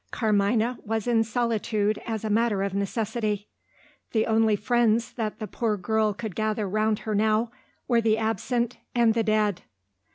Carmina was in solitude as a matter of necessity. The only friends that the poor girl could gather round her now, were the absent and the dead.